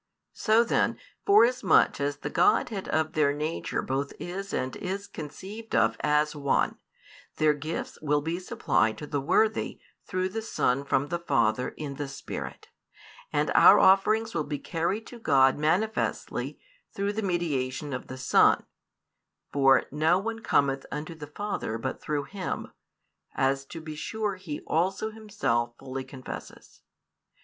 So then, forasmuch as the Godhead of Their nature both is and is conceived of as One, Their gifts will be supplied to the worthy through the Son from the |297 Father in the Spirit, and our offerings will be carried to God manifestly through the mediation of the Son: for no one cometh unto the Father but through Him, as to be sure He also Himself fully confesses.